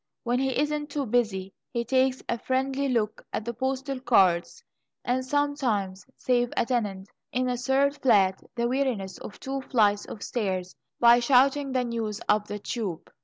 When he isn't too busy, he takes a friendly look at the postal cards, and sometimes saves a tenant in a third flat the weariness of two flights of stairs by shouting the news up the tube!